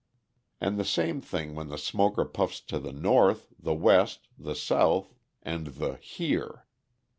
And the same thing when the smoker puffs to the North, the West, the South, and the Here.